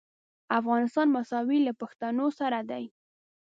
افغانستان مساوي له پښتنو سره دی.